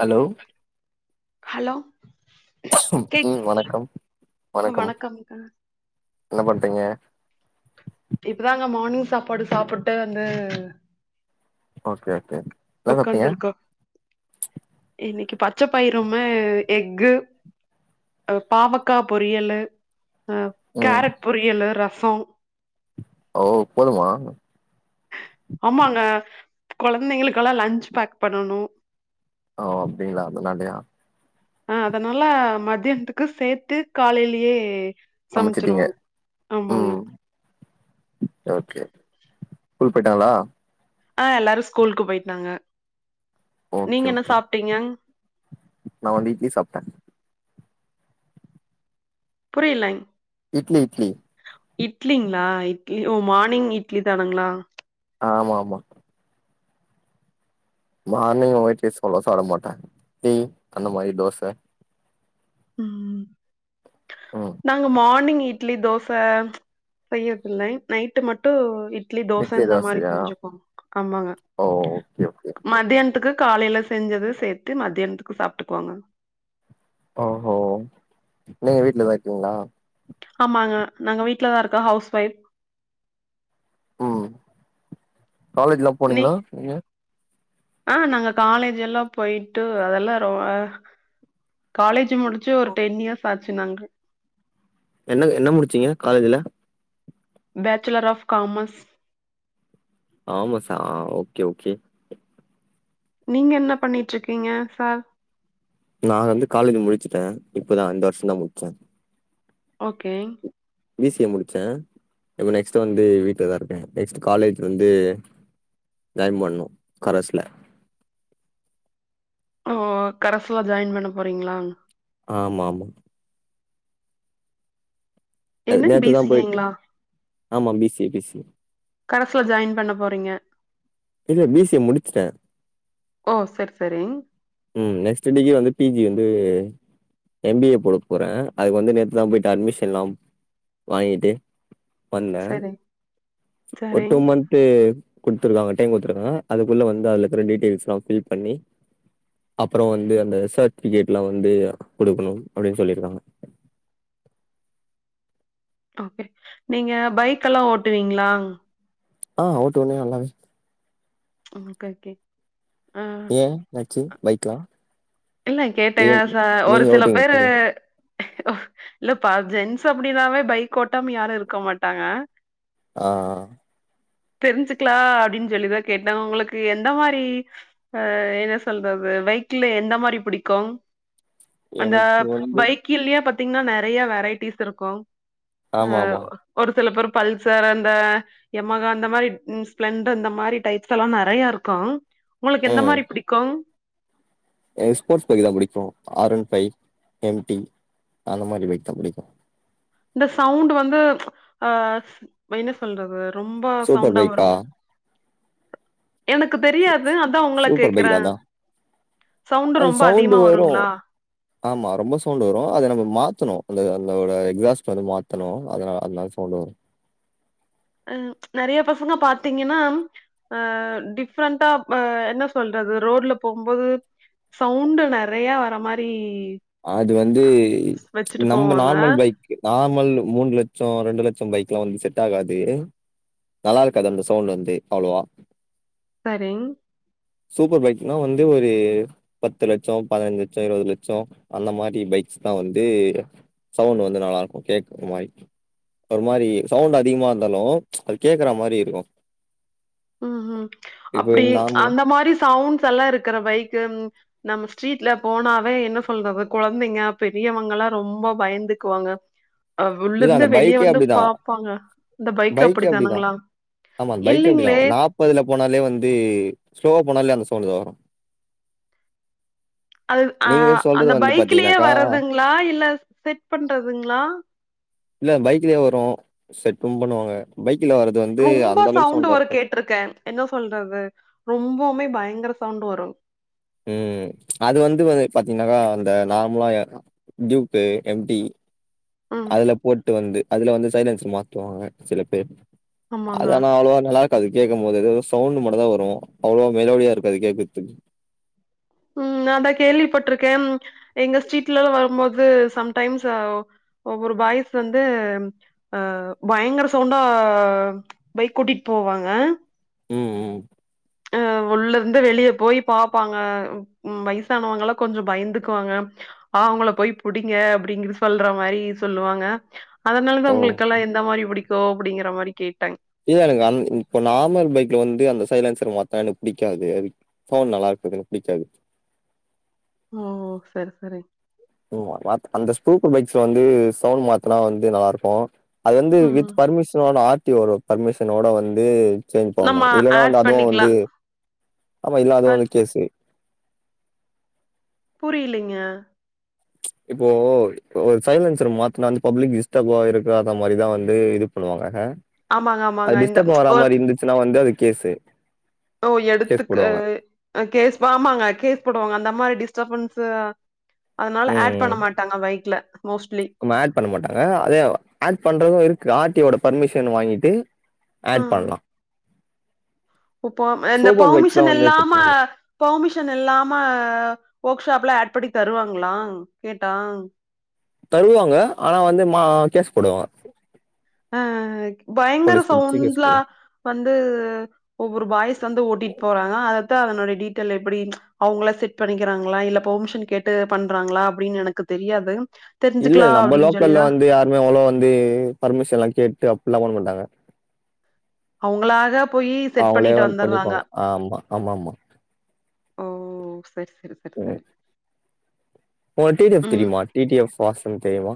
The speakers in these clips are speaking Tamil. ஹலோ ஹலோ சும் கேக் ம் வணக்கம் வணக்கம் என்ன பண்றீங்க இப்பதாங்க மார்னிங் சாப்பாடு சாப்பிட்டு வந்து ஓகே ஓகே என்ன சாப்ட்டீங்க உக்காந்திருக்கோ இன்னிக்கு பச்ச பயிரும்மே எக்கு பாவக்காய் பொரியல்லு அ ம் கேரட் பொரியல்லு ரசோ ஓ போதுமா ஆமாங்க குழந்தைங்களுக்கெல்லாம் லன்ச் பேக் பண்ணணும் ஓ அப்டிங்களா அதனாலயா அ அதனால மதியானத்துக்கு சேர்த்து காலையிலயே சமச்சுட்டீங்க சமச்சிருவோ ஆமாங்க ம் ஓகே ஸ்கூல் போய்ட்டாங்களா ஆ எல்லாரும் ஸ்கூலுக்கு போயிட்டாங்க நீங்க என்ன சாப்ட்டீங்க நான் வந்து இட்லி சாப்ட புரியலங் இட்லி இட்லி இட்லிங்ளா இட்லி ஓ மானிங் இட்லி தானுங்ளா ஆமா மா மார்னிங் ஒயிட் ரைஸ்சொலா சாப்ட மாட்டே டீ அந்த மாரி தோச ம் ம் நாங்க மார்னிங் இட்லி தோச செய்றதுயில்லைங் நைட்டு மட்டு ட்லி தோச இட்லி இந்த மாரி தோசையா செஞ்சிப்போ ஆமாங்க ஓ ஓகே ஓகே மதியான்த்துக்கு காலைல செஞ்சத சேத்து மதியான்த்துக்கு சாப்ட்டுக்குவாங்க ஓஹோ நீங்க வீட்லதா இருக்கிங்ளா ஆமாங்க நாங்க வீட் லதா இருக்கோ ஹவுஸ் வைஃப் ம் காலேஜ்லா நீ போனீங்களா நீங்க ஆ நாங்க காலேஜ்ஜெல்லா போய்ட்டு அதெல்லா ரொ அ காலேஜ் முடிச்சு ஒரு டென் இயர்ஸ் ஆச்சு நாங்க என்ன என்ன முடிச்சிங்க காலேஜ்ல பேச்சிலர் ஆஃப் காமர்ஸ் கமெர்ஸ்ஸா ஓக்கே ஓக்கே நீங்க என்ன பண்ணிட்டு இருக்கீங்க சார் நா வந்து காலேஜ் முடுச்சுட்டே இப்பதா இந்த வருஷந்தா முட்ச்சே ஓக்கே பி சி ஏ முடிச்சே இப்ப நெக்ஸ்ட் வந்து வீட்ல தா இருக்கே நெக்ஸ்ட் காலேஜ் வந்து ஜாயின் பண்ணு கரஸ்ல ஓ கரஸ்ல ஜாயின் பண்ண போறீங்ளா ஆமாமா என்ன பி நேத்துதா சி ஏ போய்ட்டு ங்களா ஆமா B C A B C A கரஸ்ல ஜாயின் பண்ண போறீங்க இல்ல பி சி ஏ முடிச்சுட்டே ஓ சரி சரி ம் நெக்ஸ்ட்டு டிகிரி வந்து பி ஜி வந்து எம் பி ஏ போட போறே அதுக்கு வந்து நேத்துதா போயிட்டு அட்மிஷன்லாம் வாங்கிட்டு வந்தே சரி, ஒரு டூ சரிங். மந்த் டு குட்த்துருக்காங்க டைம் குட்டுத்துருக்காங்க அதுக்குள்ள வந்து அதுல இருக்ற டீட்டெயில்ஸ்லா ஃபில் பண்ணி அப்றோ வந்து அந்த சர்ட்ஃபிகேட்லா வந்து குடுக்கணும் அப்டின் சொல்லிருக்காங்க ஓகே நீங்க பைக் எல்லா ஓட்டுவீங்ளா ஆ ஓட்டுவேனே நல்லாவே ஓகே ஓகே ஆ ஏ என்னாச்சு பைக்லா இல்ல ஏ கேட்டேங்க ச ஒரு நீங்க சில ஓட்டுவீங்க பேரு போலயே இல்லப்ப ஜென்ஸ் அப்டின்னாவே பைக் ஓட்டாம யாரு இருக்க மாட்டாங்க ஆ ஆ தெரிஞ்சுக்லா அப்டின் சொல்லிதா கேட்டே உங்ளுக்கு எந்த மாரி அ என்ன சொல்றது பைக்ல எந்த மாரி புடிக்கும் அந்த எனக்கு வந்து பைக் கில்லயா பாத்தீங்ன்னா நெறையா வெரைட்டிஸ் இருக்கு ஆ ஆமா ஆமா ஒரு சில பேர் பல்சர் அந்த எமகா அந்த மாரி ம் ஸ்பிளெண்டர் இந்த மாரி டைப்ஸ்லா நெறையா இருக்கு உங்களுக்கு எந்த ம் மாரி புடிக்கு எனக்கு ஸ்போர்ட்ஸ் பைக் தா புடிக்கு ஆர் ஒன் ஃபைவ் எம்டி அந்த மாரி பைக் தா புடிக்கு இந்த சவுண்டு வந்து ஆ என்ன சொல்றது ரொம்ப சூப்பர் சவுண்டா பைக்கா வருமே எனக்கு தெரியாது அதா உங்கள சூப்பர் பைக் கேக்குறே தானா சவுண்டு அது ரொம்ப சவுண்டு அதிகமா வரு வருங்களா ஆமா ரொம்ப சவுண்டு வரு அத நம்ப மாத்தணு அந்த அதோட எக்ஸாஸ்டர் வந்து மாத்தணு அதுனால அதுனால சவுண்டு வரு அ நெறைய பசங்க பாத்தீங்கன்னா அ டிஃப்ரெண்ட்டா ஆ என்ன சொல்றது ரோட்ல போகுபோது சவுண்டு நெறையா வர மாரி அது வந்து வச்சுட்டு நம்ப போவாங்க நார்மல் பைக் நார்மல் மூணு லட்சோ ரெண்டு லட்சோ பைக் எல்லா வந்து செட் ஆகாது நல்லா இருக்காது அந்த சவுண்ட் வந்து அவ்ளோவா சரி சூப்பர் பைக்னா வந்து ஒரு பத்து லட்சோ பதினைஞ்சு லட்சோ இருபது லட்சோ அந்த மாரி பைக்ஸ் தா வந்து சவுண்ட் வந்து நல்லா இருக்கு கேக்குற மாரி ஒரு மாரி சவுண்ட் அதிகமா இருந்தாலு அது கேக்குற மாரி இருக்கு ம் ம் இப்ப அப்டி நார்மலா அந்த மாரி சவுண்ட்ஸ்லா இருக்குற பைக்கு நம்ம ஸ்ட்ரீட்ல போனாவே என்ன சொல்றது கொழந்தைங்க பெரியவங்கலா ரொம்ப பயந்துக்குவாங்க அ இல்ல உள்ளிருந்து அந்த வெளிய பைக்கே வந்து அப்டிதா பாப்பாங்க இந்த பைக் பைக்கே அப்டிதா அப்படித்தானுங்களா ஆமா அந்த பைக்கே அப்டிதா இல்லைங்களே நா ப்பதுல போனாலே வந்து ஸ்லோவா போனாலே அந்த சவுண்டுதா வரு அது ஆ நீங்க சொல்றது அந்த வந்து பைக்லயே பாத்தீங்கன்னாக்கா வரதுங்களா இல்ல செட் பண்றதுங்களா இல்ல பைக்லயே வரு செட்டு பண்ணுவாங்க பைக்ல வர ரொம்ப சவுண்டு வரு கேட்டிருக்கே என்ன சொல்றது ரொம்பவுமே பயங்கர சவுண்டு வரு ம் அது வந்து வ பாத்தீங்கன்னாக்க அந்த நார்மலா டியூப்பு எம் டி ம். அதுல போட்டு வந்து அதுல வந்து சைலன்ஸ்சர் மாத்துவாங்க சில பேர் ஆமாங்க. அது ஆனா அவ்ளவா நல்லா இருக்காது கேக்கும்போது எதோ சவுண்டு மட்டு தா வரு அவ்ளோவா மெலோடியா இருக்காது கேக்குறதுக்கு ம் நா அதா கேள்விப்பட்டிருக்கே எங்க ஸ்ட்ரீட்ல எல்லா வரும்போது சம்டைம்ஸ் ஒவ்வொரு பாய்ஸ் வந்து ஆ பயங்கர சவுண்டா பைக் ஓட்டிட்டு போவாங்க ம் ம் அ உள்ள இருந்து வெளிய போய் பாப்பாங்க ம் வயசானவங்க எல்லா கொஞ்சோ பயந்துக்குவாங்க அவுங்கள போய் புடிங்க அப்படிங்கற சொல்ற மாரி சொல்லுவாங்க அதுனால தா ஓ உங்களுகெல்லா எந்த மாரி புடிக்கு அப்படிங்கிற மாரி கேட்டங் இல்ல எனக்கு அந் இப்ப நார்மல் பைக்ல வந்து அந்த சைலன்சர் மாத்னா எனக்கு புடிக்காது அது ஃபோன் நல்லா இருக்குறது எனக்கு புடிக்காது ஓ செரி செரி ம் வாத் அந்த ஸ்பூப் பைக்ஸ்ல வந்து சவுண்டு மாத்தனா வந்து நல்லா இருக்கு அது வந்து வித் ம் பர்மிஷனோட ஆர் டி ஓ ட பர்மிஷனோட வந்து நம்ம சேமிப்பாங்க இல்லன்னா ஆட் வந்து அதுவு பண்ணிக்கலா வந்து ஆமா இல்லாதவனுக்கு கேசு புரியிலைங்க இப்போ ஒரு சைலன்சர் மாத்தனா வந்து பப்ளிக் டிஸ்டப் ஆயிர கூடாத மாரிதா வந்து இது பண்ணுவாங்க ஆமாங்க ஆமாங்க அது இந்த டிஸ்டர்ப் ஆற ஒரு மாரி இருந்துச்சுன்னா வந்து அது கேசு ஓ எடுத்துக்கு கேஸ் ஆமாங்க கேஸ் போடுவாங்க அந்த மா டிஸ்டர்பன்சு அதுனால ம் ஆட் ம் பண்ண மாட்டாங்க பைக்ல மோஸ்ட்லி நம்ம ஆட் பண்ண மாட்டாங்க அதே ஆட் பண்றது இருக்கு ஆர் டி யோட பர்மிஷன் வாங்கிட்டு ஆட் பண்லா ப்ப இந்த சூப்பர் பைக்ஸ்லா பர்மிஷன் வந்து இல்லாம பிரச்சன இல்ல பெமிஷன் இல்லாம ஒர்க்ஷாப்ல ஆட் பண்ணி தருவாங்களா கேட்டா தருவாங்க ஆனா வந்து மா கேஸ் போடுவா அ அ பயங்கர போலீஸ் புடிச்சு கேஸ் சவுண்ட்லா போடுவாங்க வந்து ஒவ்வொரு பாய்ஸ் வந்து ஓட்டிட் போறாங்க அதத்தா அதனுடைய டீட்டெயில் எப்டி அவுங்களா செட் பண்ணிக்கிறாங்களா இல்ல பெர்மிஷன் கேட்டு பண்றாங்களா அப்டின்னு எனக்கு தெரியாது இல்ல தெரிஞ்சுக்கலா நம்ம அப்டின்னு லோக்கல்ல சொல்லிதா வந்து யாருமே அவ்ளோவ வந்து பர்மிஷன்ல்லா கேட்டு அப்டிலா பண்ண மாட்டாங்க அவங்களா க போயி செட் அவங்களே பண்ணிட்டு வந்து வந்தற்றாங்க பண்ணிப்பாங்க ஆமா ஆமாமா ஓ செரி செரி செரி செரி உனக்கு டி டி எஃப் ம் தெரியுமா? டி டி எஃப் வாசன் தெரியுமா?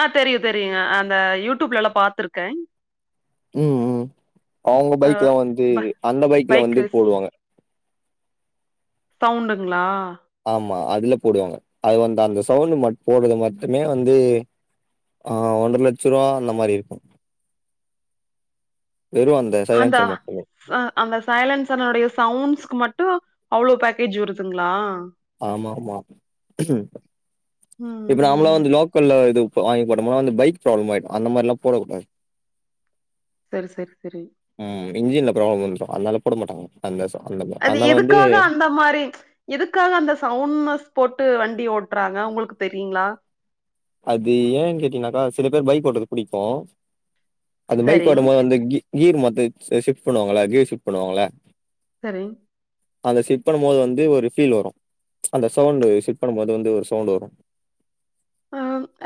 ஆ தெரியு தெரியுங்க அந்த யூடியூப்லல்லா பாத்துருக்க ம் ம் அவுங்க அ பைக்லா வந்து ப அந்த பைக்ல வந்து பைக்கு போடுவாங்க சவுண்ட்டுங்களா ஆமா அதுல போடுவாங்க அது வந்து அந்த சவுண்டு மட் போட்றது மட்டுமே வந்து ஆ ஒன்ற லட்ச ரூவா அந்த மாரி இருக்கும் வெறு அந்த அந்தா சைலன்சர் மட்டுமே அந்த சைலன்ஸ்ரனுடைய சவுண்ட்ஸ்க்கு மட்டு அவ்ளோ பேக்கேஜ் வருதுங்களா ஆமா ஆமா ம் இப்ப நாமளா ம் வந்து லோ க்கல்ல இது வாங்கி போட்டமுன்னா வந்து பைக் ப்ராப்ளம் ஆயிடு அந்த மாரிலா போடக்கூடாது சரி சரி சரி ம் இன்ஜின்ல ப்ராப்ளம் வந்துரும் அதனால போட மாட்டாங்க அந்த [unintelligible] அது வந்து எதுக்காக அந்த மாரி எதுக்காக அந்த சவுண்நெஸ் போட்டு வண்டி ஓட்றாங்க உங்களுக்கு தெரியுங்களா அது ஏன் கேட்டீங்கனாக்கா சில பேர் பைக் ஓட்டுறது புடிக்கு அந்த பைக் ஓட்ட சரிங் போது வந்து கீ கீர் மத்த ஷிஃப்ட் பண்ணுவாங்கள கீர் ஷிஃப்ட் பண்ணுவாங்கள செரிங் அந்த ஃபிட் பண்ணுபோது வந்து ஒரு ஃபீல் வரு அந்த சவுண்ட் ஃபிட் பண்ணுபோது வந்து ஒரு சவுண்ட் வரு அ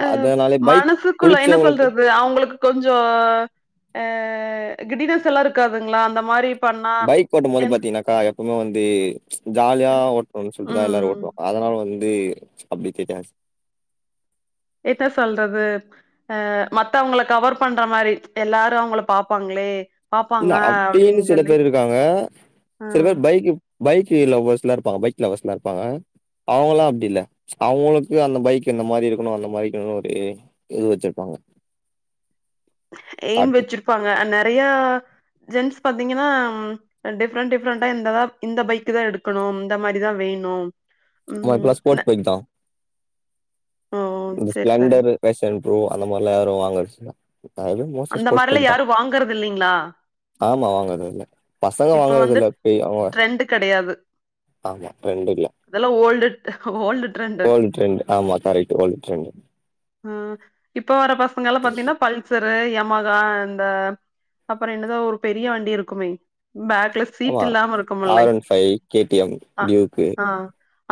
அ அதனாலே பைக் மனசுக்குள்ள என்ன புடிச்சவங்களுக்கு சொல்றது அவங்களுக் கொஞ்சோ ஆ கிடினெஸல்லா இருக்காதுங்களா அந்த மாரி பண்ணா பைக் ஓட்டு போது என் பாத்தீங்கன்னாக்கா எப்பமே வந்து ஜாலியா ஒட் [unintelligible] ஷுட்டு தா எல்லாரு ம் ஓட்டுவாங்க அதனால வந்து அப்டி தெரியாது எத சொல்றது அ மத்தவங்கள கவர் பண்ற மாரி எல்லாரு அவங்கள பாப்பாங்ளே இல்ல அப்டின்னு சில பேர் இருக்காங்க ஆ சில பேர் பைக் பைக் லவ்வர்ஸ் லா இருப்பாங்க பைக் லவ்வர்ஸ் லா இருப்பாங்க அவங்கல்லா அப்டி இல்ல அவங்களுக்கு அந்த பைக் இந்த மாரி இருக்கணு அந்த மாதிரி இருக்கணு ஒரு இது வச்சிருப்பாங்க எய்ம் தாட்டு வச்சிருப்பாங்க அ நெறையா ஜென்ஸ் பாத்தீங்கன்னா டிஃப்ரெண்ட் டிஃப்ரெண்ட்டா இந்ததா இந்த பைக்கு தா எடுக்கணு இந்த மாரிதா வேணு மா ம் இப்போல ந ஸ்போர்ட்ஸ் பைக் தா ஓ இந்த செரி செரி ஸ்பெளண்டரு ஃபேஷன் ப்ரோ அந்த மாரிலா யாரு வாங்கடுச்சுத அதும் அந்த மாரிலா யாரு வாங்கறது இல்லைங்களா ஆமா வாங்குறதில்ல பசங்க வாங்கறதில்ல இப்பயு ஆமாங்க ட்ரெண்டு கெடையாது ஆமா ட்ரெண்டில்ல இதெல்லா ஓல்டு ஓல்டு ட்ரெ ஓல்டு ட்ரெண்ட் ஆமா கரைட்டு ஓல்டு ட்ரெண்ட் ஆ இப்ப வர பசங்கல்லா பாத்தீன்னா பல்சர் து யமாகா அந்த அப்புற என்னது ஒரு பெரிய வண்டி இருக்குமே பேக்ல சீட் ஆமா இல்லாம ஆர் இருக்குமில்லைங் one five K T M அ டியூக்கு ஆ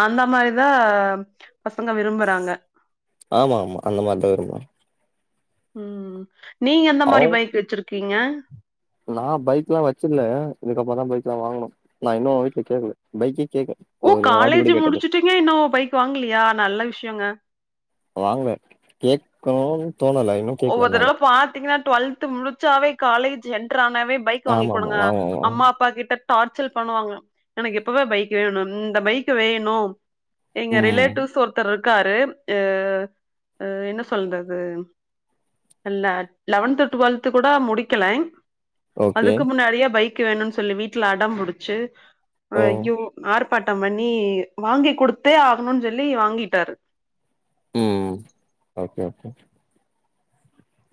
அந்த மாரிதா பசங்க விரும்புறாங்க ஆமா ஆமா அந்த மாதிரிதா விரும்புறாங் ம் நீங்க எந்த மாரி அவ் பைக் வெச்சிருக்கீங்க நா பைக்லா வச்சில்ல இதுக்கப்புறந்தா பைக்ல்லா வாங்கணு நா இன்னு வீட்ல கேக்கல பைக்கே கேக்ல ஓ காலேஜு முடிச்சுட்டிங்க இன்னு பைக் வாங்கலையா நல்ல விஷயோங்க வாங்வே கேட்கணுன் தோணல இன்னு ஒவ்வொரு கேக்கல தறவ நானு பாத்தீங்கன்னா ட்வெல்த் முடிச்சாவே காலேஜ் என்ட்ரு ஆனாவே பைக் வாங்கி ஆமா ஆமா குடுங்க வாங்குவோ வாங்குவோ அம்மா அப்பா கிட்ட டார்ச்சல் பண்ணுவாங்க எனக்கு இப்பவே பைக் வேணுன் இந்த பைக் வேணு எங்க ம் ரிலேட்டிவ்ஸ் ஒர்த்தர் ருக்காரு ஆ ஆ என்ன சொல்றது இல்ல லெவன்த் டுவெல்த்து கூட முடிக்கலைங் ஓகே அதுக்கு முன்னாடியே பைக் கு வேணுன் சொல்லி வீட்ல அடம்புடிச்சு ஓ ஐயோ ஆர் பாட்டம் பண்ணி வாங்கி குடுத்தே ஆகணுன் சொல்லி வாங்கிட்டாரு ம் ஓகே ஓகே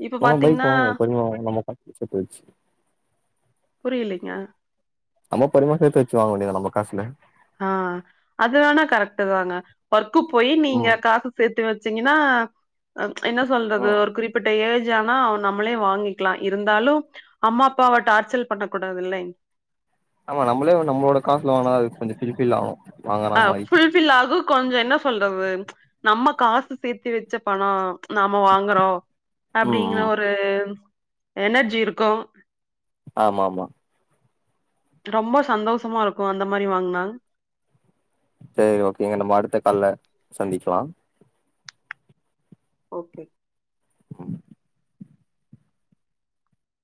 இப்ப நம்ம பைக் பாத்தீங்கன்னா வாங்குவோ பொறுமியா வாங்வோ நம்ம காசுல சேத்து வெச்சு புரியலிங்க நம்ம பொறும்யா சேத்து வெச்சு வாங்க வேண்டிதா நம்ம காசுல ஆ அது வேணா கரெக்ட்டு தாங்க ஒர்க்கு போயி நீங்க ம் காசு சேத்து வெ ச்சீங்கின்னா என்ன சொல்றது ம் ஒரு குறிப்பிட்ட ஏஜு ஆனா அவ நம்மளே வாங்கிக்லா இருந்தாலு அம்மா அப்பாவ டார்ச்சல் பண்ண கூடாது இல்லைங் ஆமா நம்மளே நம்மளோட காஸ்ல வாங்னா அது கொஞ்சோ ஃபுல்ஃபில் ஆவு அ ஃபுல்ஃபில் ஆகு கொஞ்சோ என்ன சொல்றது நம்ம காசு சேத்தி வெச்ச பணோ நம்ம வாங்குறோ ம் அப்டிங்கிற ம் ஒரு எனர்ஜி இருக்கு ஆமா ஆமா ரொம்ப சந்தோஷமா இருக்கு அந்த மாரி வாங்னா சேரி ஓகேங்க நம்ம அடுத்த கால்ல சந்திக்கலா ஓகே ம்